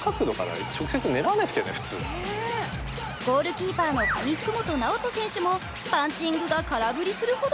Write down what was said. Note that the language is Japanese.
キーパーの上福元直人選手もパンチングが空振りするほど。